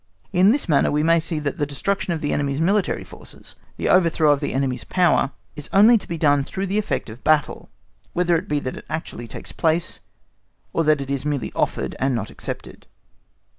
In this manner we see that the destruction of the enemy's military forces, the overthrow of the enemy's power, is only to be done through the effect of a battle, whether it be that it actually takes place, or that it is merely offered, and not accepted.